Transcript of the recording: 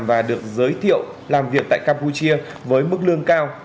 và được giới thiệu làm việc tại campuchia với mức lương cao